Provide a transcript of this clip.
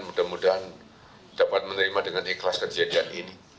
mudah mudahan dapat menerima dengan ikhlas kejadian ini